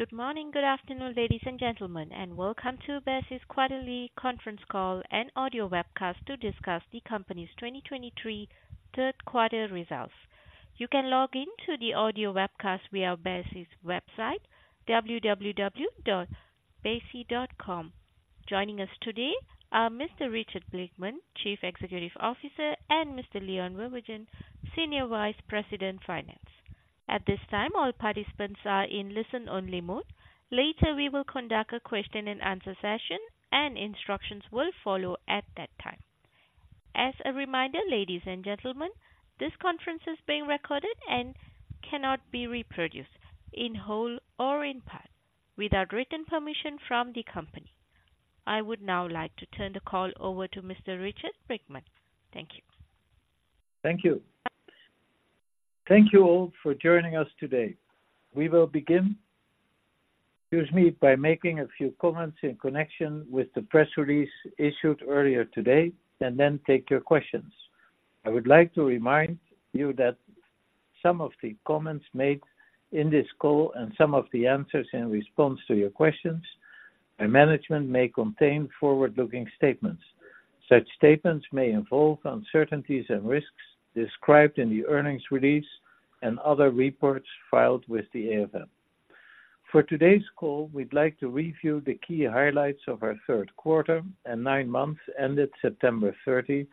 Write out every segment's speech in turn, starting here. Good morning, good afternoon, ladies and gentlemen, and welcome to Besi's quarterly conference call and audio webcast to discuss the company's 2023 third quarter results. You can log into the audio webcast via Besi's website, www.besi.com. Joining us today are Mr. Richard Blickman, Chief Executive Officer, and Mr. Leon Wubben, Senior Vice President, Finance. At this time, all participants are in listen-only mode. Later, we will conduct a question-and-answer session, and instructions will follow at that time. As a reminder, ladies and gentlemen, this conference is being recorded and cannot be reproduced in whole or in part without written permission from the company. I would now like to turn the call over to Mr. Richard Blickman. Thank you. Thank you. Thank you all for joining us today. We will begin, excuse me, by making a few comments in connection with the press release issued earlier today, and then take your questions. I would like to remind you that some of the comments made in this call and some of the answers in response to your questions by management may contain forward-looking statements. Such statements may involve uncertainties and risks described in the earnings release and other reports filed with the AFM. For today's call, we'd like to review the key highlights of our third quarter and nine months ended September 30,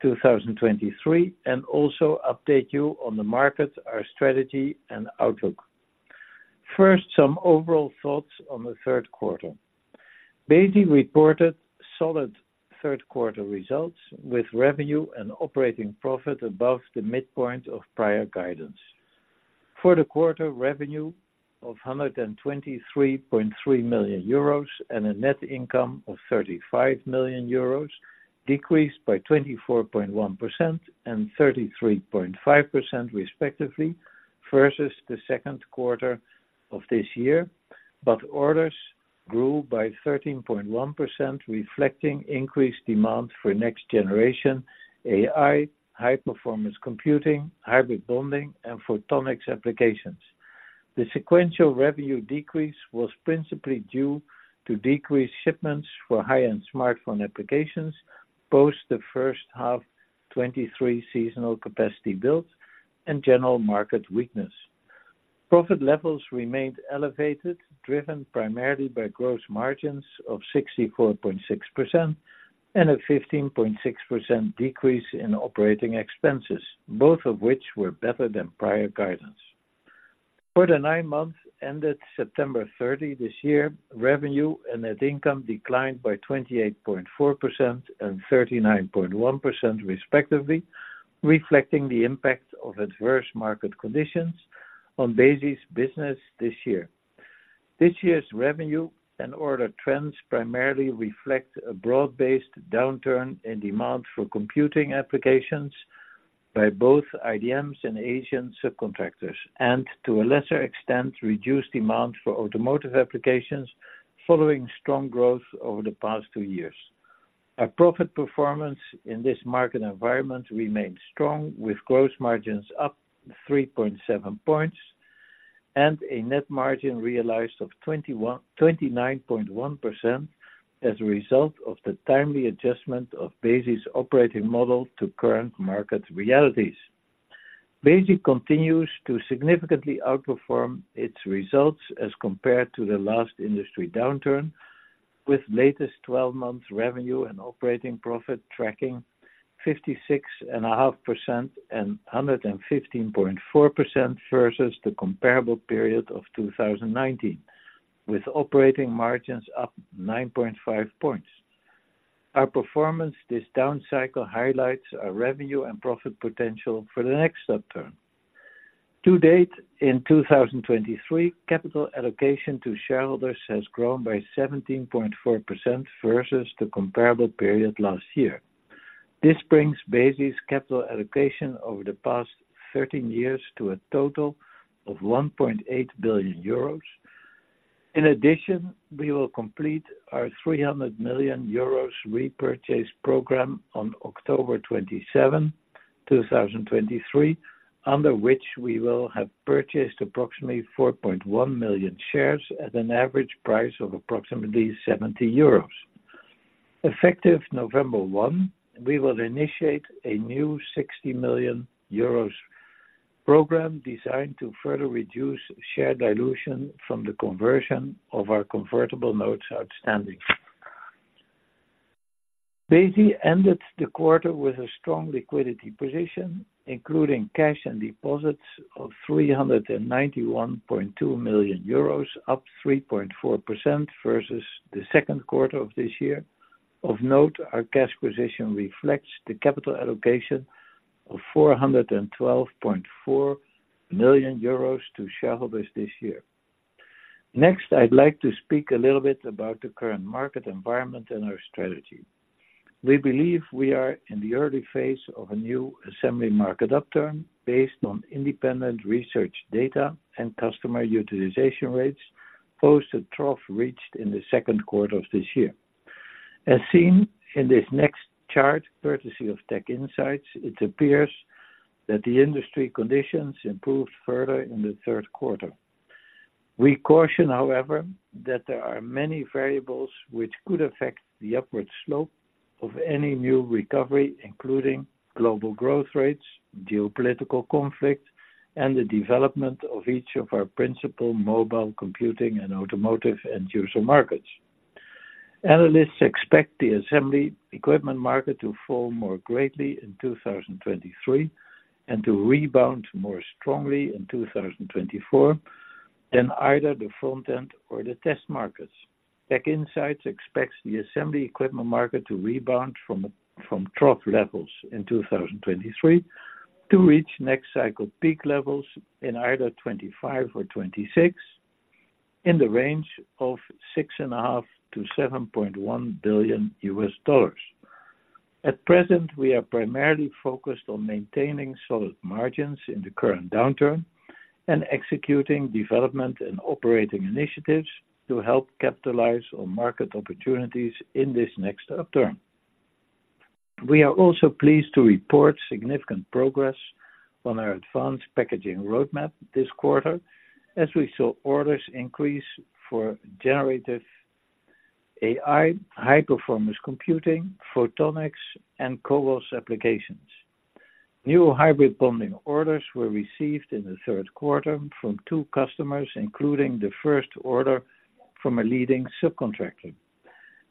2023, and also update you on the market, our strategy, and outlook. First, some overall thoughts on the third quarter. Besi reported solid third quarter results, with revenue and operating profit above the midpoint of prior guidance. For the quarter, revenue of 123.3 million euros and a net income of 35 million euros decreased by 24.1% and 33.5%, respectively, versus the second quarter of this year. But orders grew by 13.1%, reflecting increased demand for next-generation AI, high-performance computing, Hybrid Bonding, and photonics applications. The sequential revenue decrease was principally due to decreased shipments for high-end smartphone applications, post the first half 2023 seasonal capacity builds and general market weakness. Profit levels remained elevated, driven primarily by gross margins of 64.6% and a 15.6% decrease in operating expenses, both of which were better than prior guidance. For the nine months ended September 30 this year, revenue and net income declined by 28.4% and 39.1%, respectively, reflecting the impact of adverse market conditions on Besi's business this year. This year's revenue and order trends primarily reflect a broad-based downturn in demand for computing applications by both IDMs and Asian subcontractors, and to a lesser extent, reduced demand for automotive applications following strong growth over the past two years. Our profit performance in this market environment remains strong, with gross margins up 3.7 points and a net margin realized of 29.1% as a result of the timely adjustment of Besi's operating model to current market realities. Besi continues to significantly outperform its results as compared to the last industry downturn, with latest twelve-month revenue and operating profit tracking 56.5% and 115.4% versus the comparable period of 2019, with operating margins up 9.5 points. Our performance this down cycle highlights our revenue and profit potential for the next upturn. To date, in 2023, capital allocation to shareholders has grown by 17.4% versus the comparable period last year. This brings Besi's capital allocation over the past 13 years to a total of 1.8 billion euros. In addition, we will complete our 300 million euros repurchase program on October 27, 2023, under which we will have purchased approximately 4.1 million shares at an average price of approximately 70 euros. Effective November 1, we will initiate a new 60 million euros program designed to further reduce share dilution from the conversion of our convertible notes outstanding. Besi ended the quarter with a strong liquidity position, including cash and deposits of 391.2 million euros, up 3.4% versus the second quarter of this year. Of note, our cash position reflects the capital allocation of 412.4 million euros to shareholders this year. Next, I'd like to speak a little bit about the current market environment and our strategy. We believe we are in the early phase of a new assembly market upturn based on independent research data and customer utilization rates, post the trough reached in the second quarter of this year.... As seen in this next chart, courtesy of TechInsights, it appears that the industry conditions improved further in the third quarter. We caution, however, that there are many variables which could affect the upward slope of any new recovery, including global growth rates, geopolitical conflict, and the development of each of our principal mobile computing and automotive end-user markets. Analysts expect the assembly equipment market to fall more greatly in 2023, and to rebound more strongly in 2024, than either the front-end or the test markets. TechInsights expects the assembly equipment market to rebound from trough levels in 2023, to reach next cycle peak levels in either 2025 or 2026, in the range of $6.5 billion-$7.1 billion. At present, we are primarily focused on maintaining solid margins in the current downturn, and executing development and operating initiatives to help capitalize on market opportunities in this next upturn. We are also pleased to report significant progress on our advanced packaging roadmap this quarter, as we saw orders increase for generative AI, high-performance computing, photonics, and CoWoS applications. New hybrid bonding orders were received in the third quarter from two customers, including the first order from a leading subcontractor,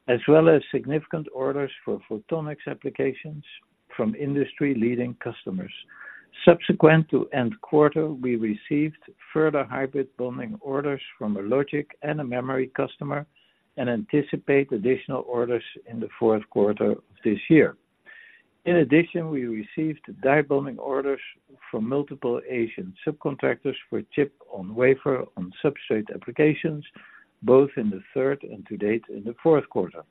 as well as significant orders for photonics applications from industry-leading customers. Subsequent to end quarter, we received further hybrid bonding orders from a logic and a memory customer, and anticipate additional orders in the fourth quarter of this year. In addition, we received die bonding orders from multiple Asian subcontractors for chip on wafer on substrate applications, both in the third and to date in the fourth quarter.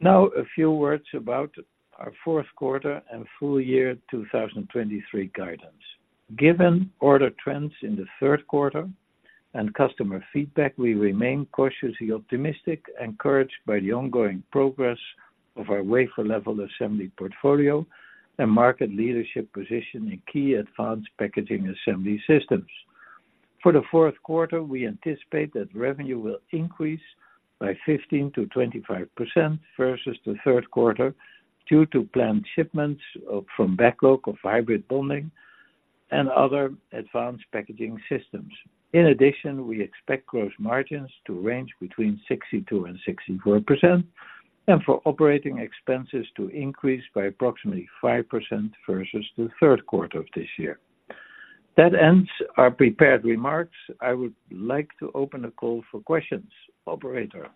Now, a few words about our fourth quarter and full-year 2023 guidance. Given order trends in the third quarter and customer feedback, we remain cautiously optimistic, encouraged by the ongoing progress of our wafer level assembly portfolio and market leadership position in key advanced packaging assembly systems. For the fourth quarter, we anticipate that revenue will increase by 15%-25% versus the third quarter, due to planned shipments of, from backlog of hybrid bonding and other advanced packaging systems. In addition, we expect gross margins to range between 62%-64%, and for operating expenses to increase by approximately 5% versus the third quarter of this year. That ends our prepared remarks. I would like to open the call for questions. Operator?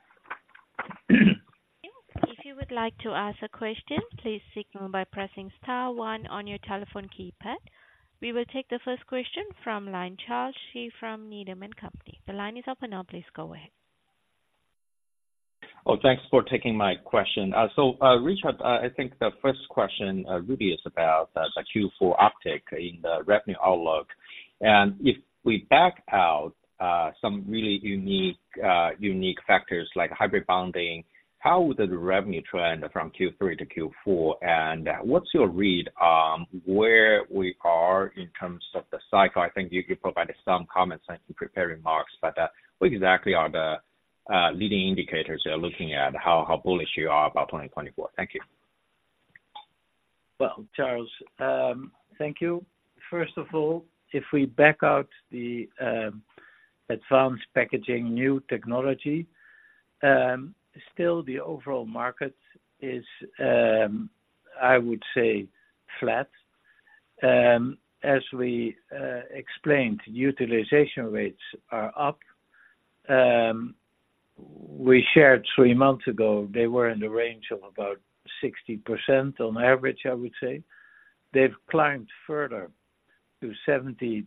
If you would like to ask a question, please signal by pressing star one on your telephone keypad. We will take the first question from line, Charles Shi from Needham & Company. The line is open now. Please go ahead. Well, thanks for taking my question. So, Richard, I think the first question really is about the Q4 uptick in the revenue outlook. And if we back out some really unique unique factors like hybrid bonding, how would the revenue trend from Q3-Q4? And, what's your read on where we are in terms of the cycle? I think you could provide some comments and prepared remarks, but, what exactly are the leading indicators you're looking at, how bullish you are about 2024? Thank you. Well, Charles, thank you. First of all, if we back out the, advanced packaging new technology, still the overall market is, I would say, flat. As we, explained, utilization rates are up. We shared three months ago, they were in the range of about 60% on average, I would say. They've climbed further to 70%-80%.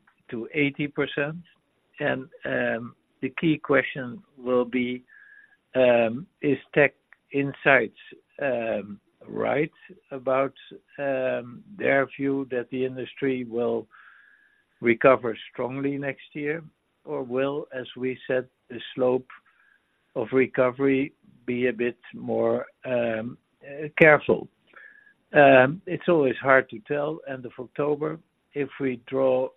And, the key question will be, is TechInsights, right about, their view that the industry will recover strongly next year? Or will, as we said, the slope of recovery be a bit more, careful? It's always hard to tell. End of October, if we draw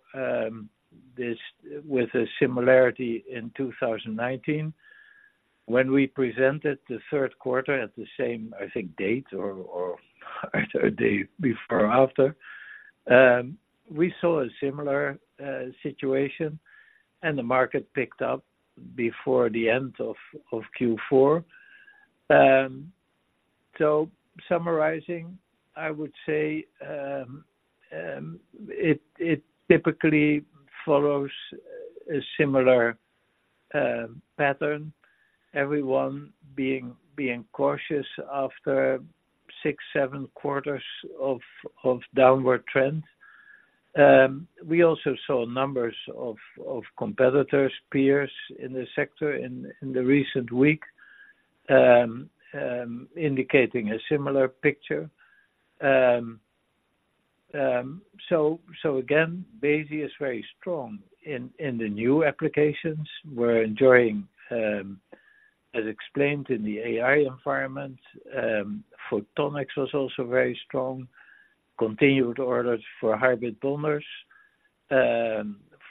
this with a similarity in 2019, when we presented the third quarter at the same, I think, date or a day before or after, we saw a similar situation, and the market picked up before the end of Q4. So summarizing, I would say, it typically follows a similar pattern, everyone being cautious after 6-7 quarters of downward trends. We also saw numbers of competitors, peers in the sector in the recent week, indicating a similar picture. So again, Besi is very strong in the new applications. We're enjoying, as explained in the AI environment, photonics was also very strong. Continued orders for hybrid bonders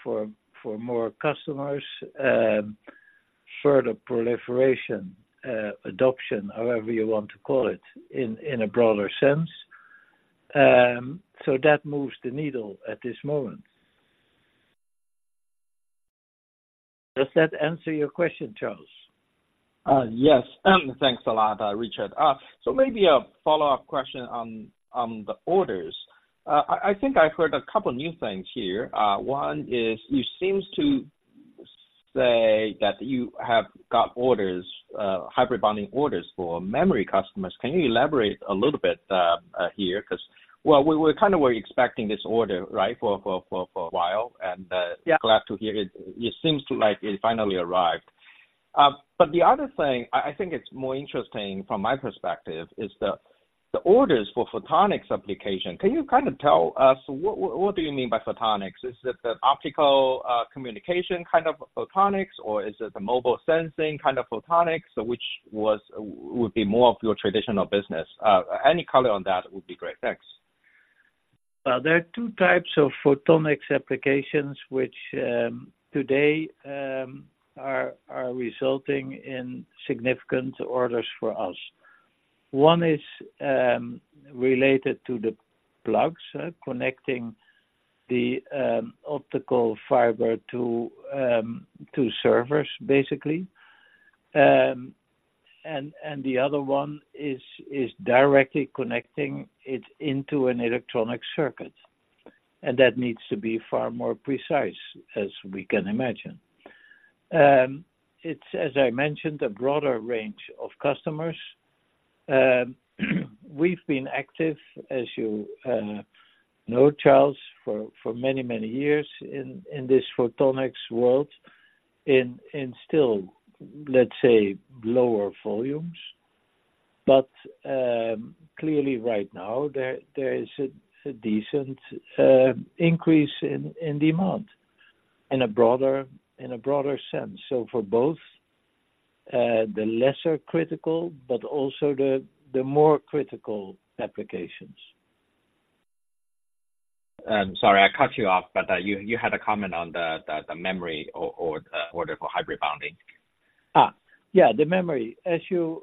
for more customers, further proliferation, adoption, however you want to call it, in a broader sense. So that moves the needle at this moment. Does that answer your question, Charles? Yes, thanks a lot, Richard. So maybe a follow-up question on the orders. I think I've heard a couple new things here. One is, you seem to say that you have got orders, Hybrid Bonding orders for memory customers. Can you elaborate a little bit here? 'Cause, well, we kind of were expecting this order, right, for a while, and- Yeah Glad to hear it. It seems to like it finally arrived. But the other thing, I think it's more interesting from my perspective, is the orders for photonics application. Can you kind of tell us what do you mean by photonics? Is it the optical communication kind of photonics, or is it the mobile sensing kind of photonics, so which would be more of your traditional business? Any color on that would be great. Thanks. There are two types of photonics applications which, today, are resulting in significant orders for us. One is related to the plugs, connecting the optical fiber to servers, basically. The other one is directly connecting it into an electronic circuit, and that needs to be far more precise, as we can imagine. It's, as I mentioned, a broader range of customers. We've been active, as you know, Charles, for many, many years in this photonics world, in still, let's say, lower volumes. Clearly right now, there is a decent increase in demand, in a broader sense. For both, the lesser critical, but also the more critical applications. Sorry, I cut you off, but you had a comment on the memory or order for Hybrid Bonding. Ah, yeah, the memory. As you,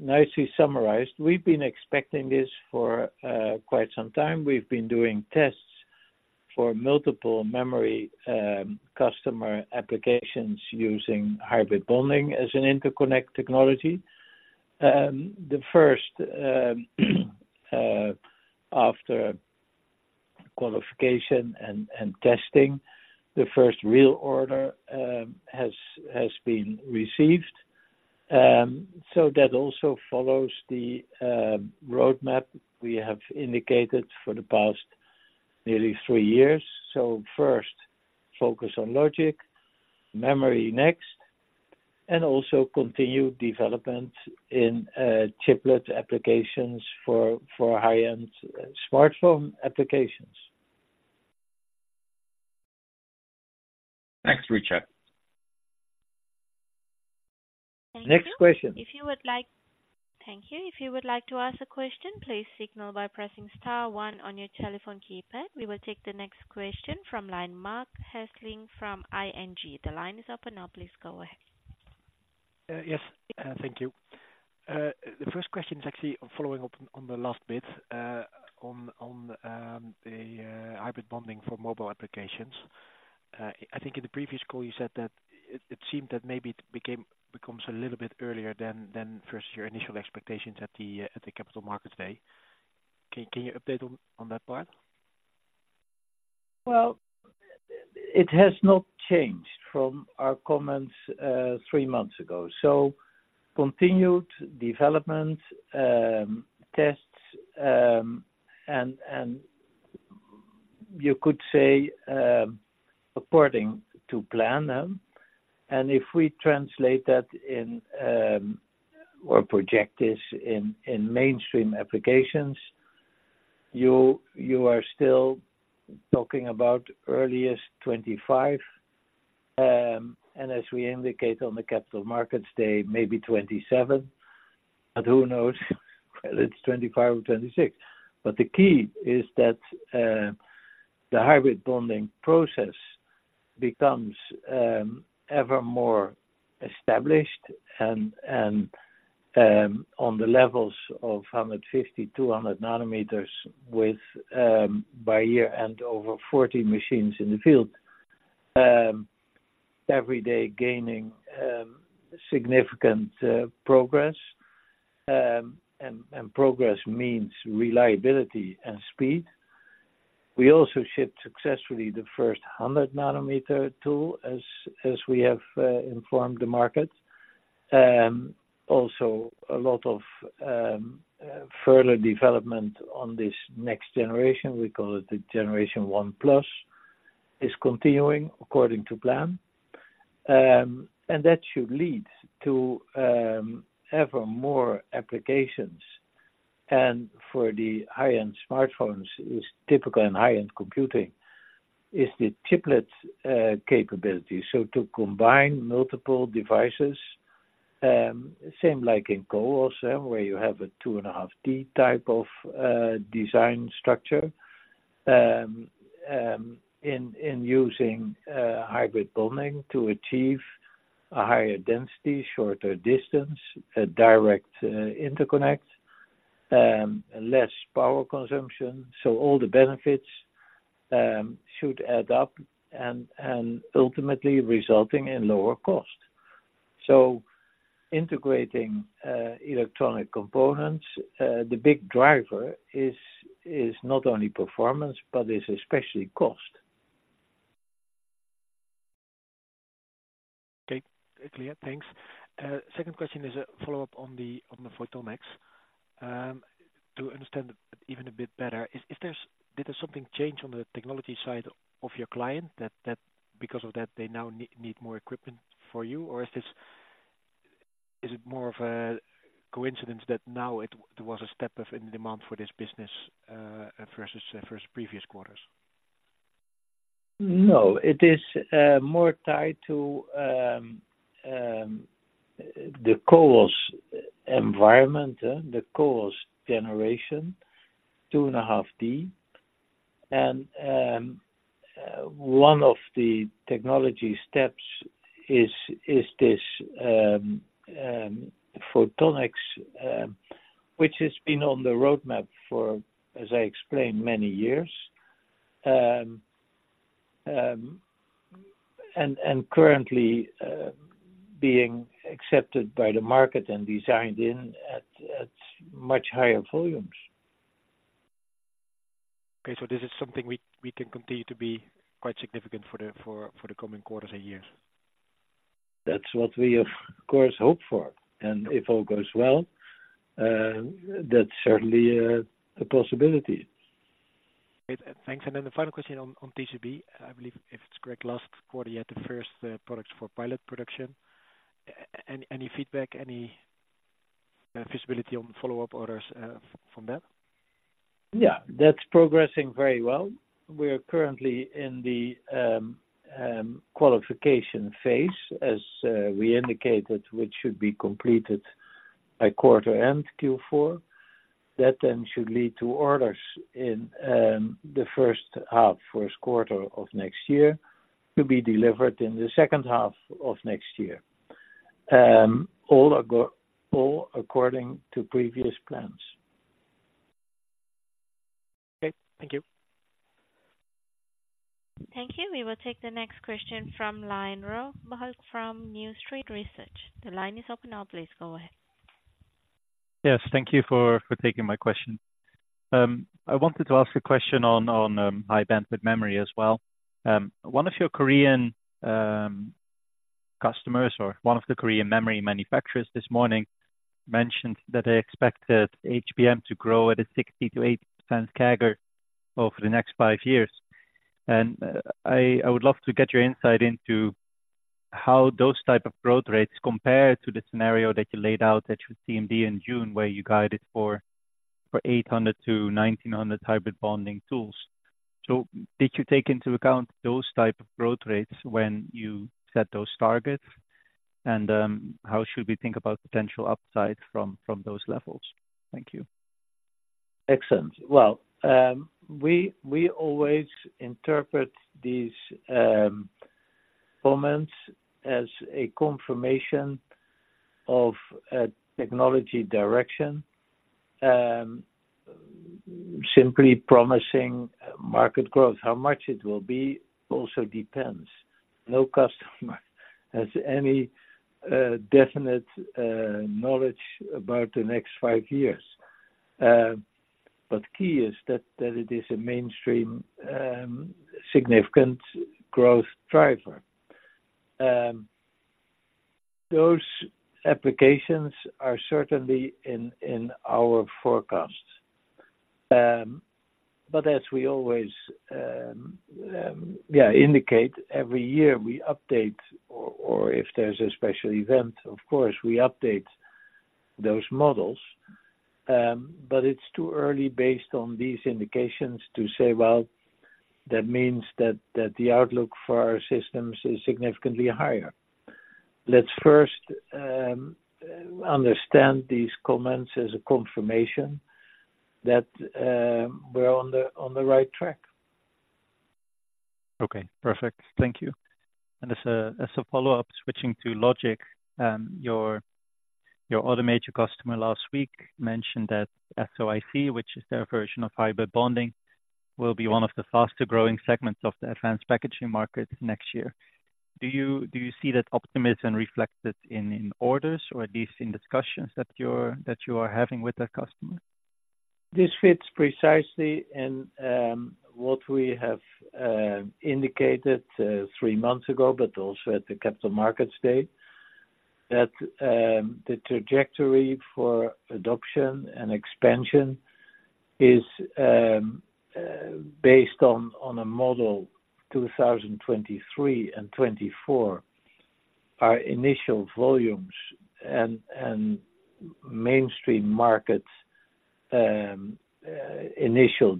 nicely summarized, we've been expecting this for, quite some time. We've been doing tests for multiple memory, customer applications using hybrid bonding as an interconnect technology. The first, after qualification and testing, the first real order, has been received. So that also follows the, roadmap we have indicated for the past nearly three years. So first, focus on logic, memory next, and also continued development in, chiplet applications for, high-end smartphone applications. Thanks, Richard. Thank you. Next question. If you would like... Thank you. If you would like to ask a question, please signal by pressing star one on your telephone keypad. We will take the next question from line Marc Hesselink from ING. The line is open now. Please go ahead. Yes, thank you. The first question is actually following up on the last bit on the hybrid bonding for mobile applications. I think in the previous call, you said that it seemed that maybe it becomes a little bit earlier than first year initial expectations at the capital markets day. Can you update on that part? Well, it has not changed from our comments three months ago. So continued development, tests, and you could say according to plan. And if we translate that in or project this in mainstream applications, you are still talking about earliest 2025. And as we indicate on the capital markets day, maybe 2027, but who knows, whether it's 2025 or 2026. But the key is that the hybrid bonding process becomes ever more established and on the levels of 150, 200 nanometers with by year and over 40 machines in the field. Every day gaining significant progress, and progress means reliability and speed. We also shipped successfully the first 100-nanometer tool, as we have informed the market. Also a lot of further development on this next generation, we call it the generation one plus, is continuing according to plan. And that should lead to ever more applications. And for the high-end smartphones, is typical in high-end computing, is the chiplets capability. So to combine multiple devices, same like in CoWoS, where you have a 2.5D type of design structure, in using hybrid bonding to achieve a higher density, shorter distance, a direct interconnect, less power consumption. So all the benefits should add up and ultimately resulting in lower cost. So integrating electronic components, the big driver is not only performance, but is especially cost. Okay, clear. Thanks. Second question is a follow-up on the photonics. To understand even a bit better, did something change on the technology side of your client that because of that, they now need more equipment for you? Or is this more of a coincidence that now it was a step up in demand for this business versus previous quarters? No, it is more tied to the CoWoS environment, the CoWoS generation 2.5D. And one of the technology steps is this photonics, which has been on the roadmap for, as I explained, many years. And currently being accepted by the market and designed in at much higher volumes. Okay. So this is something we can continue to be quite significant for the coming quarters and years. That's what we of course hope for, and if all goes well, that's certainly a possibility. Great, thanks. And then the final question on, on TCB. I believe, if it's correct, last quarter, you had the first products for pilot production. Any feedback, any visibility on the follow-up orders from that? Yeah, that's progressing very well. We are currently in the qualification phase, as we indicated, which should be completed by quarter end Q4. That then should lead to orders in the first half, first quarter of next year, to be delivered in the second half of next year. All according to previous plans. Okay, thank you. Thank you. We will take the next question from line, Rolf Mahalingam from New Street Research. The line is open now, please go ahead. Yes, thank you for taking my question. I wanted to ask a question on high-bandwidth memory as well. One of your Korean customers, or one of the Korean memory manufacturers this morning mentioned that they expected HBM to grow at a 60%-80% CAGR over the next five years. And I would love to get your insight into how those type of growth rates compare to the scenario that you laid out at your CMD in June, where you guided for 800-1,900 hybrid bonding tools. So did you take into account those type of growth rates when you set those targets? And how should we think about potential upside from those levels? Thank you. Excellent. Well, we always interpret these comments as a confirmation of a technology direction, simply promising market growth. How much it will be also depends. No customer has any definite knowledge about the next five years. But key is that it is a mainstream significant growth driver. Those applications are certainly in our forecasts. But as we always, yeah, indicate, every year we update, or if there's a special event, of course, we update those models. But it's too early based on these indications to say, well, that means that the outlook for our systems is significantly higher. Let's first understand these comments as a confirmation that we're on the right track. Okay, perfect. Thank you. And as a follow-up, switching to logic, your other major customer last week mentioned that SOIC, which is their version of hybrid bonding, will be one of the faster-growing segments of the advanced packaging market next year. Do you see that optimism reflected in orders or at least in discussions that you are having with that customer? This fits precisely in what we have indicated three months ago, but also at the Capital Markets Day. That the trajectory for adoption and expansion is based on a model 2023 and 2024, are initial volumes and mainstream markets, initial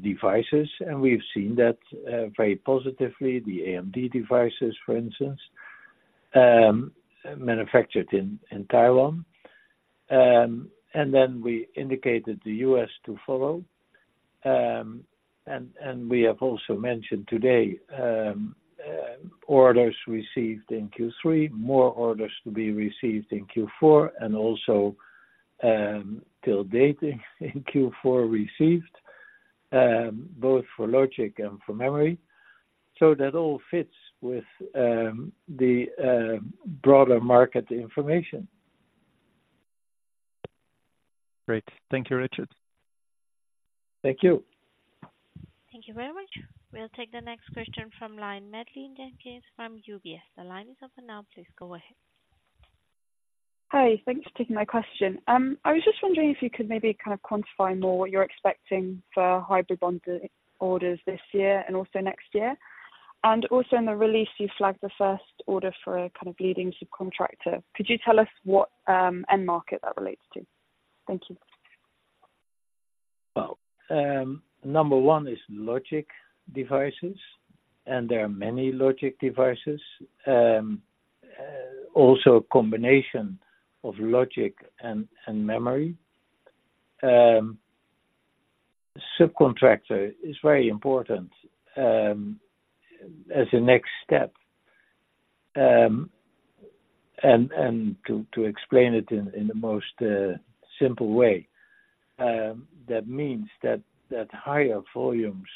devices, and we've seen that very positively, the AMD devices, for instance, manufactured in Taiwan. And then we indicated the U.S. to follow. And we have also mentioned today, orders received in Q3, more orders to be received in Q4, and also to date in Q4 received, both for logic and for memory. So that all fits with the broader market information. Great. Thank you, Richard. Thank you. Thank you very much. We'll take the next question from line, Madeleine Jenkins from UBS. The line is open now, please go ahead. Hi, thanks for taking my question. I was just wondering if you could maybe kind of quantify more what you're expecting for hybrid bond orders this year and also next year. And also in the release, you flagged the first order for a kind of leading subcontractor. Could you tell us what end market that relates to? Thank you. Well, number one is logic devices, and there are many logic devices. Also a combination of logic and memory. Subcontractor is very important, as a next step. And to explain it in the most simple way, that means that higher volumes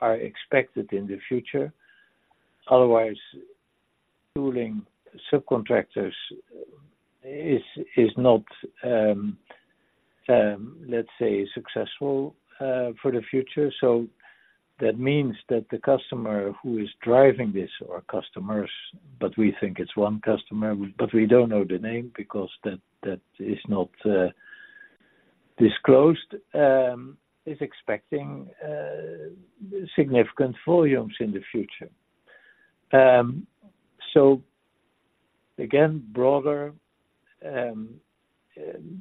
are expected in the future. Otherwise, pooling subcontractors is not, let's say, successful, for the future. So that means that the customer who is driving this, or customers, but we think it's one customer, but we don't know the name because that is not disclosed, is expecting significant volumes in the future. So again, broader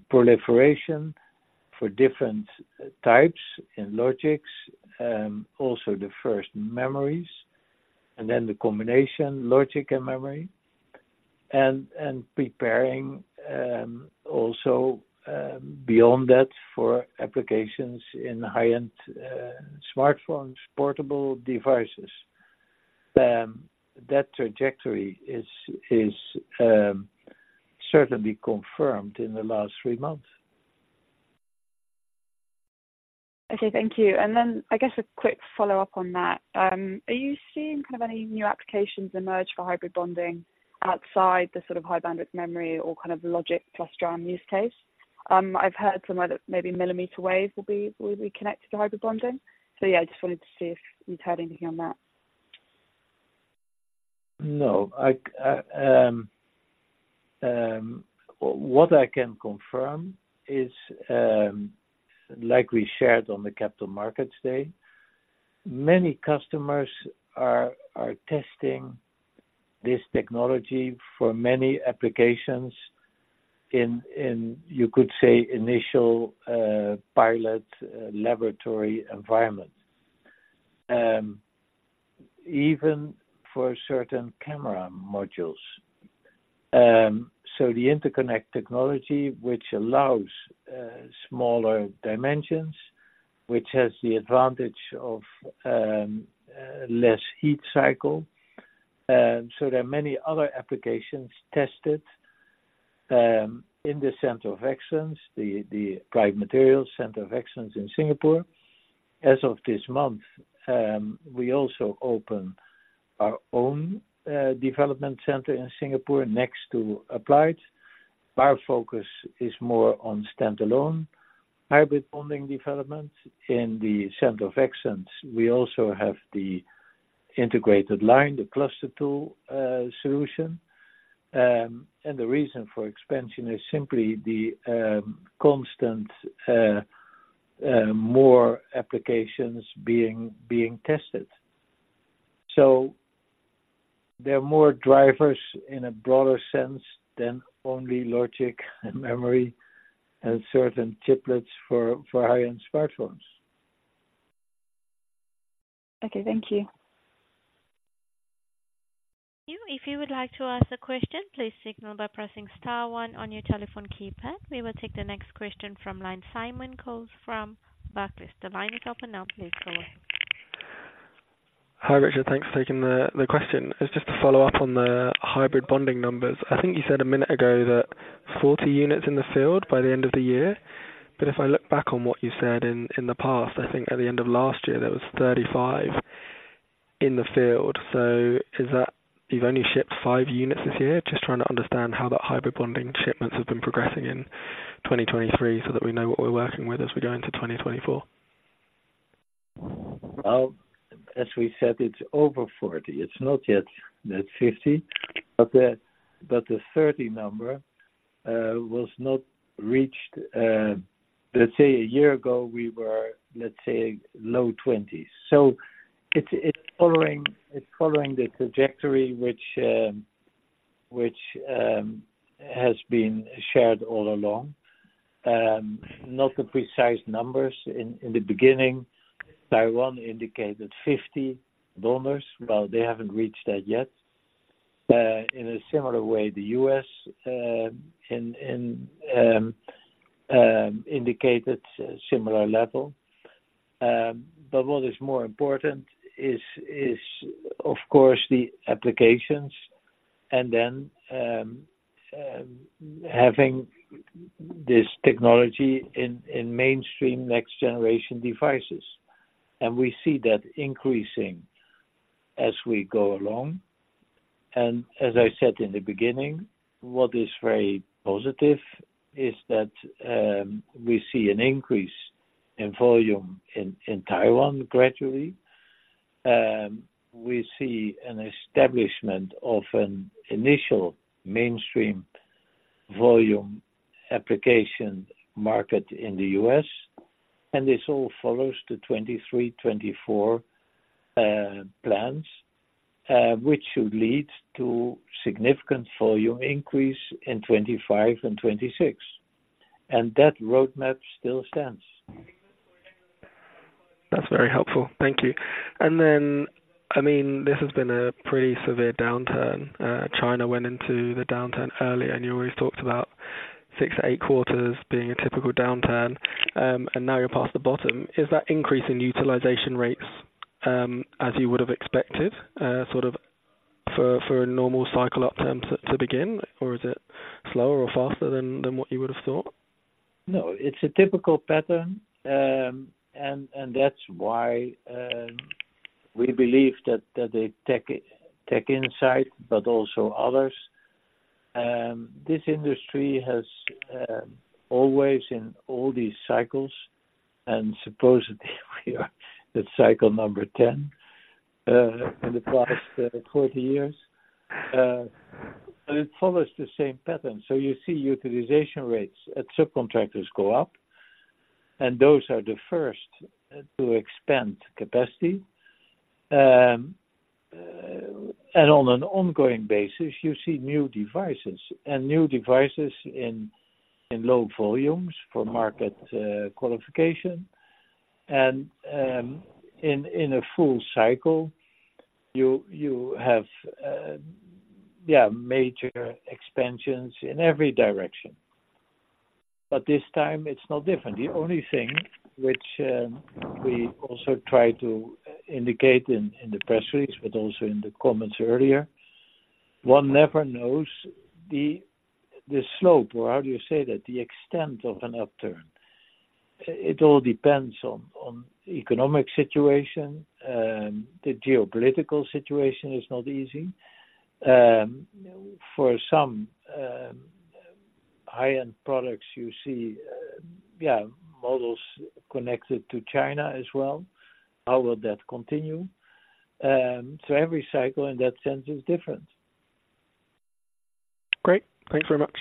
proliferation for different types in logics, also the first memories, and then the combination, logic and memory, and preparing, also, beyond that for applications in high-end smartphones, portable devices. That trajectory is certainly confirmed in the last three months. Okay, thank you. Then I guess a quick follow-up on that. Are you seeing kind of any new applications emerge for hybrid bonding outside the sort of high-bandwidth memory or kind of logic plus DRAM use case? I've heard somewhere that maybe millimeter wave will be, will be connected to hybrid bonding. So yeah, I just wanted to see if you've heard anything on that. No. What I can confirm is, like we shared on the Capital Markets Day, many customers are testing this technology for many applications in, you could say, initial pilot laboratory environment, even for certain camera modules. So the interconnect technology, which allows smaller dimensions, which has the advantage of less heat cycle. So there are many other applications tested in the Center of Excellence, the Applied Materials Center of Excellence in Singapore. As of this month, we also open our own development center in Singapore, next to Applied. Our focus is more on standalone hybrid bonding development. In the Center of Excellence, we also have the integrated line, the cluster tool solution. And the reason for expansion is simply the constant more applications being tested. So there are more drivers in a broader sense than only logic and memory, and certain chiplets for high-end smartphones. Okay, thank you. If you would like to ask a question, please signal by pressing star one on your telephone keypad. We will take the next question from line, Simon Coles from Barclays. The line is open now, please go ahead. Hi, Richard. Thanks for taking the question. It's just to follow up on the hybrid bonding numbers. I think you said a minute ago that 40 units in the field by the end of the year, but if I look back on what you said in the past, I think at the end of last year, there was 35 in the field. So is that you've only shipped 5 units this year? Just trying to understand how that hybrid bonding shipments have been progressing in 2023, so that we know what we're working with as we go into 2024.... Well, as we said, it's over 40. It's not yet at 50, but the, but the 30 number was not reached. Let's say a year ago, we were, let's say, low 20s. So it's, it's following, it's following the trajectory which has been shared all along. Not the precise numbers. In the beginning, Taiwan indicated 50 donors. Well, they haven't reached that yet. In a similar way, the U.S. indicated a similar level. But what is more important is, of course, the applications and then having this technology in mainstream next generation devices. And we see that increasing as we go along. And as I said in the beginning, what is very positive is that we see an increase in volume in Taiwan gradually. We see an establishment of an initial mainstream volume application market in the U.S., and this all follows the 2023, 2024 plans, which should lead to significant volume increase in 2025 and 2026, and that roadmap still stands. That's very helpful. Thank you. Then, I mean, this has been a pretty severe downturn. China went into the downturn early, and you always talked about six to eight quarters being a typical downturn, and now you're past the bottom. Is that increase in utilization rates as you would have expected sort of for a normal cycle upturn to begin, or is it slower or faster than what you would have thought? No, it's a typical pattern. And that's why we believe that the TechInsights, but also others, this industry has always in all these cycles, and supposedly we are at cycle number 10 in the past 40 years, and it follows the same pattern. So you see utilization rates at subcontractors go up, and those are the first to expand capacity. And on an ongoing basis, you see new devices, and new devices in low volumes for market qualification. And in a full cycle, you have yeah, major expansions in every direction, but this time it's no different. The only thing which we also try to indicate in the press release, but also in the comments earlier, one never knows the slope or how do you say that? The extent of an upturn. It all depends on the economic situation. The geopolitical situation is not easy. For some high-end products you see, models connected to China as well. How will that continue? So every cycle in that sense is different. Great. Thanks very much.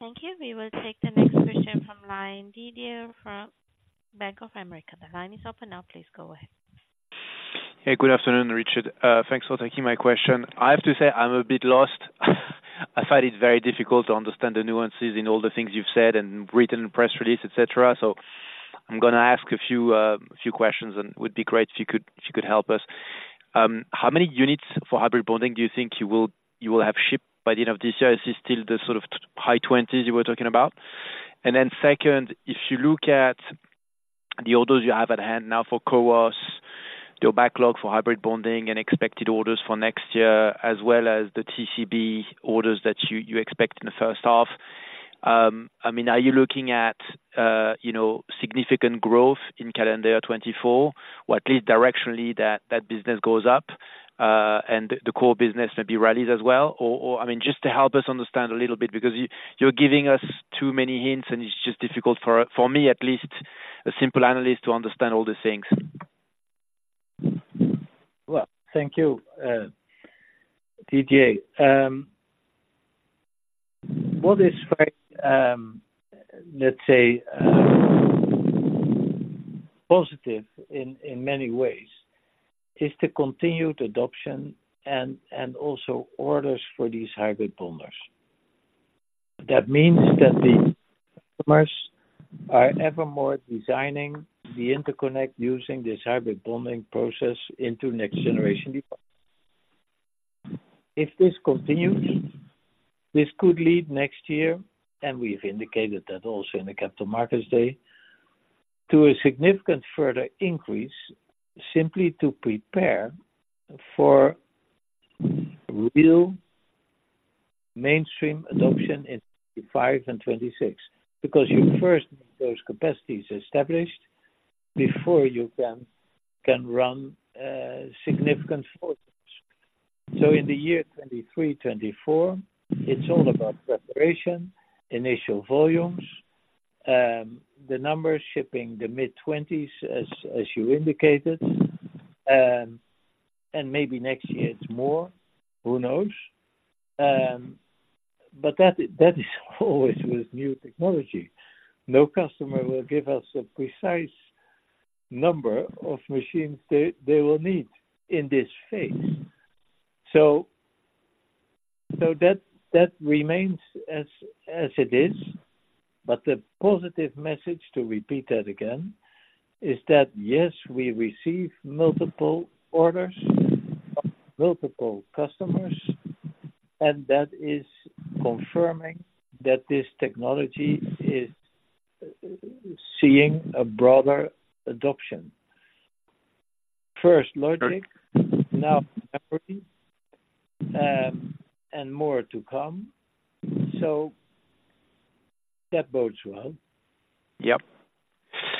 Thank you. We will take the next question from line, Didier from Bank of America. The line is open now. Please go ahead. Hey, good afternoon, Richard. Thanks for taking my question. I have to say I'm a bit lost. I find it very difficult to understand the nuances in all the things you've said and written in press release, et cetera. So I'm gonna ask a few questions, and it would be great if you could help us. How many units for Hybrid Bonding do you think you will have shipped by the end of this year? Is it still the sort of high twenties you were talking about? And then second, if you look at the orders you have at hand now for CoWoS, your backlog for hybrid bonding and expected orders for next year, as well as the TCB orders that you expect in the first half, I mean, are you looking at, you know, significant growth in calendar year 2024, or at least directionally, that business goes up, and the core business may be rallied as well? Or, I mean, just to help us understand a little bit, because you're giving us too many hints, and it's just difficult for me at least, a simple analyst, to understand all these things. Well, thank you, Didier. What is quite, let's say, positive in many ways is the continued adoption and also orders for these hybrid bonders. That means that the customers are ever more designing the interconnect using this hybrid bonding process into next generation devices. If this continues, this could lead next year, and we've indicated that also in the capital markets day, to a significant further increase, simply to prepare for real mainstream adoption in 2025 and 2026, because you first need those capacities established before you can run significant further. In the year 2023, 2024, it's all about preparation, initial volumes, the numbers shipping the mid-2020s, as you indicated, and maybe next year it's more, who knows? That is always with new technology. No customer will give us a precise number of machines they will need in this phase. So that remains as it is. But the positive message, to repeat that again, is that yes, we receive multiple orders from multiple customers, and that is confirming that this technology is seeing a broader adoption. First logic, now, and more to come. So that bodes well. Yep.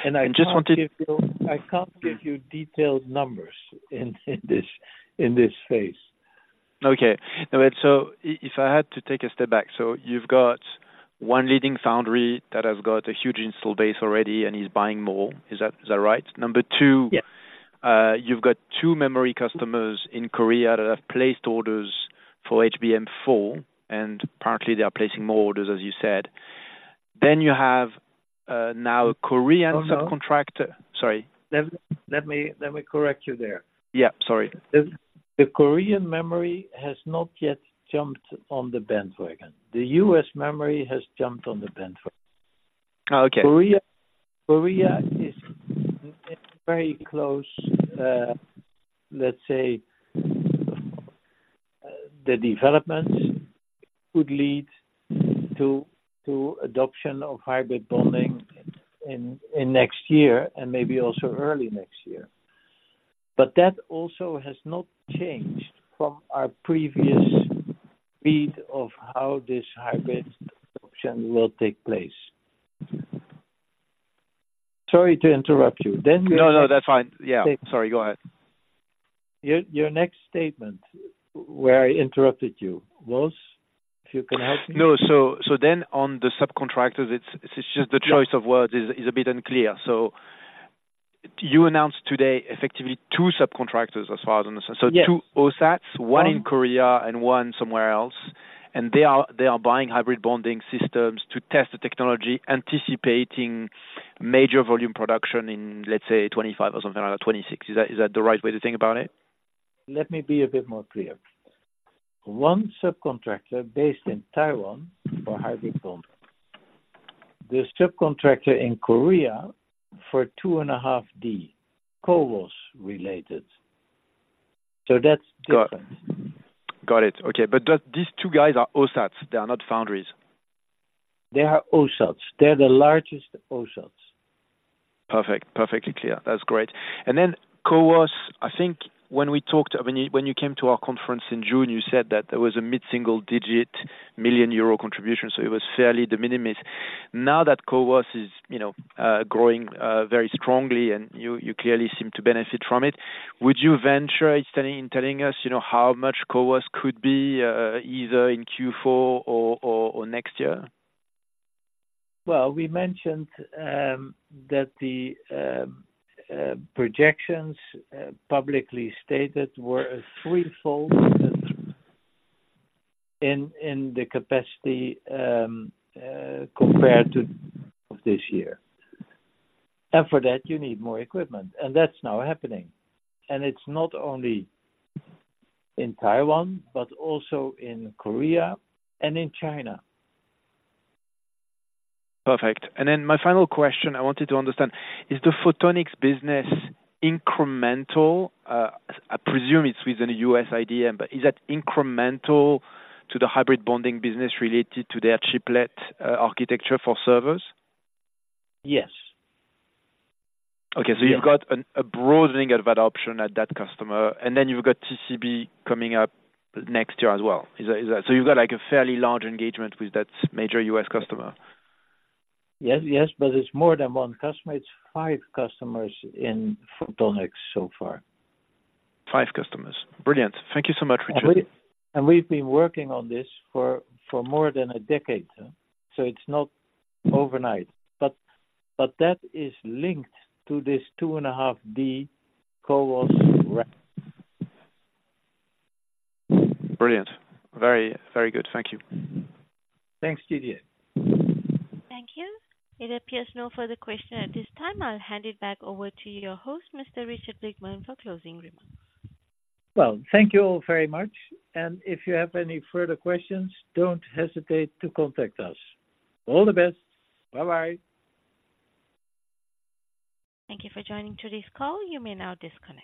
And I just wanted to- I can't give you detailed numbers in this phase. Okay. Now, so if I had to take a step back, so you've got one leading foundry that has got a huge install base already and is buying more. Is that, is that right? Number two- Yes. You've got two memory customers in Korea that have placed orders for HBM4, and apparently, they are placing more orders, as you said. Then you have, now a Korean subcontractor- Sorry. Sorry. Let me correct you there. Yeah, sorry. The Korean memory has not yet jumped on the bandwagon. The US memory has jumped on the bandwagon. Oh, okay. Korea, Korea is very close, let's say, the development could lead to, to adoption of Hybrid Bonding in, in next year and maybe also early next year. But that also has not changed from our previous speed of how this Hybrid Bonding adoption will take place. Sorry to interrupt you. Then- No, no, that's fine. Yeah, sorry, go ahead. Your next statement, where I interrupted you, was, if you can help me? No. So then on the subcontractors, it's just the choice of words is a bit unclear. So you announced today, effectively, two subcontractors, as far as I understand. Yes. So two OSATs, one in Korea and one somewhere else, and they are, they are buying hybrid bonding systems to test the technology, anticipating major volume production in, let's say, 2025 or something like 2026. Is that, is that the right way to think about it? Let me be a bit more clear. One subcontractor based in Taiwan for hybrid bonding. There's subcontractor in Korea for 2.5D, CoWoS related. So that's different. Got it. Okay, but these two guys are OSATs, they are not foundries? They are OSATs. They're the largest OSATs. Perfect. Perfectly clear. That's great. And then CoWoS, I think when we talked, when you came to our conference in June, you said that there was a mid-single digit million EUR contribution, so it was fairly de minimis. Now that CoWoS is, you know, growing very strongly and you clearly seem to benefit from it, would you venture in telling us, you know, how much CoWoS could be, either in Q4 or next year? Well, we mentioned that the projections publicly stated were a threefold increase in the capacity compared to this year. For that, you need more equipment, and that's now happening. It's not only in Taiwan, but also in Korea and in China. Perfect. And then my final question I wanted to understand: Is the photonics business incremental? I presume it's within the U.S. IDM, but is that incremental to the hybrid bonding business related to their chiplet architecture for servers? Yes. Okay. Yes. So you've got a broadening of adoption at that customer, and then you've got TCB coming up next year as well. Is that... So you've got, like, a fairly large engagement with that major U.S. customer? Yes, yes, but it's more than one customer. It's five customers in photonics so far. Five customers. Brilliant. Thank you so much, Richard. We've been working on this for more than a decade, so it's not overnight, but that is linked to this 2.5D CoWoS wrap. Brilliant. Very, very good. Thank you. Thanks, Didier. Thank you. It appears no further question at this time. I'll hand it back over to your host, Mr. Richard Blickman, for closing remarks. Well, thank you all very much, and if you have any further questions, don't hesitate to contact us. All the best. Bye-bye. Thank you for joining today's call. You may now disconnect.